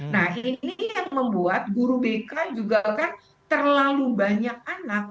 nah ini yang membuat guru bk juga kan terlalu banyak anak